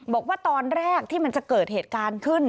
บอกว่าตอนแรกที่มันจะเกิดเหตุการณ์ขึ้น